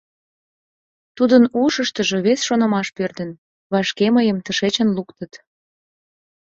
Тудын ушыштыжо вес шонымаш пӧрдын: «Вашке мыйым тышечын луктыт.